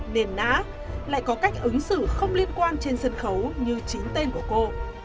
nền nã lại có cách ứng xử không liên quan trên sân khấu như chính tên của cô